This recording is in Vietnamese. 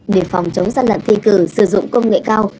để phòng chống gian lận thi cử sử dụng công nghệ cao